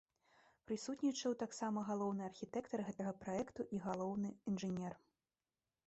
Прысутнічаў таксама галоўны архітэктар гэтага праекту і галоўны інжынер.